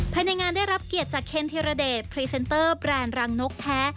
ภายในงานได้รับเกียรติจากเคนธีรเดชพรีเซนเตอร์แบรนด์รังนกแท้